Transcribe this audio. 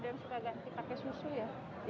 itu bisa ganti pakai susu ya